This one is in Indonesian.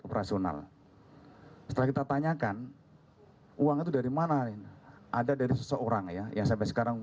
operasional telah kita tanyakan uang itu darimana yang ada dari seseorang ya yang sampai sekarang